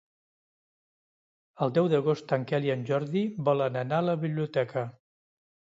El deu d'agost en Quel i en Jordi volen anar a la biblioteca.